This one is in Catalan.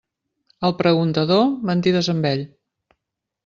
Al preguntador, mentides amb ell.